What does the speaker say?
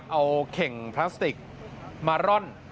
เอาเข่งพลาสติกมาร่อน